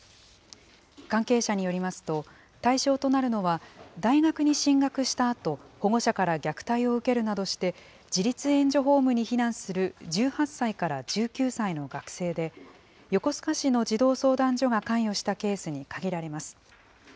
関係者によりますと、対象となるのは、大学に進学したあと、保護者から虐待を受けるなどして自立援助ホームに避難する１８歳から１９歳の学生で、横須賀市の児童相談所が関与したケースに限られます。